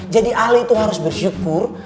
jadi ali tuh harus bersyukur